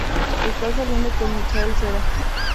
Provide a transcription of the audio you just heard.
Está saliendo con Michael Cera.